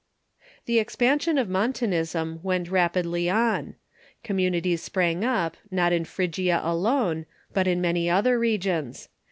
The expansion of Montanism went rajjidly on. Commu nities sprang up, not in Phrygia alone, but in many other regions.